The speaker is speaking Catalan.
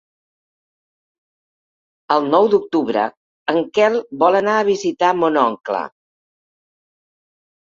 El nou d'octubre en Quel vol anar a visitar mon oncle.